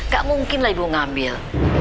gak mungkin lah ibu ngambil